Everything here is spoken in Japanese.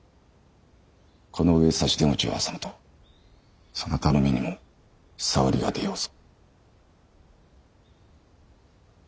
この上差し出口を挟むとそなたの身にも障りが出ようぞ。